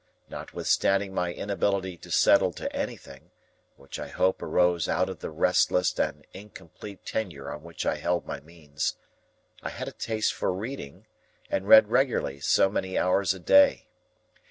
Notwithstanding my inability to settle to anything,—which I hope arose out of the restless and incomplete tenure on which I held my means,—I had a taste for reading, and read regularly so many hours a day.